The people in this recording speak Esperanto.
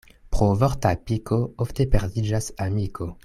Pro vorta piko ofte perdiĝas amiko.